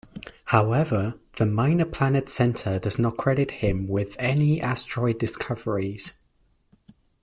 However, the Minor Planet Center does not credit him with any asteroid discoveries.